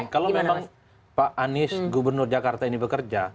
kalau memang pak anies gubernur jakarta ini bekerja